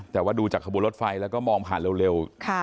แต่ว่าดูจากขบวนรถไฟแล้วก็มองผ่านเร็ว